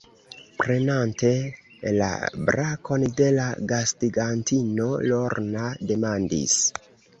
Prenante la brakon de la gastigantino, Lorna demandis: